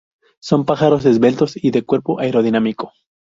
Son pájaros esbeltos, y de cuerpo aerodinámico.